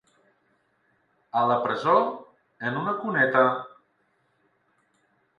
A la presó, en una cuneta…?